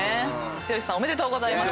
剛さんおめでとうございます。